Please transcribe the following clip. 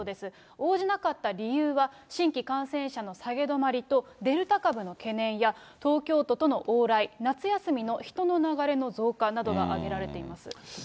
応じなかった理由は、新規感染者の下げ止まりと、デルタ株の懸念や東京都との往来、夏休みの人の流れの増加などが挙げられています。